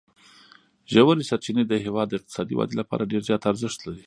ژورې سرچینې د هېواد د اقتصادي ودې لپاره ډېر زیات ارزښت لري.